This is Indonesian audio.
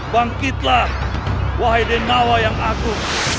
bangkitlah wahai denawa yang agung